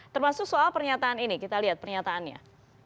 termasuk soal pernyataan ini kita lihat pernyataannya